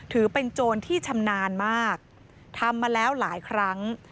ถือเป็นโจรที่ชำนาญมากทำมาแล้วหลายครั้ง